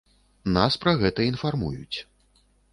Нас пра гэта інфармуюць.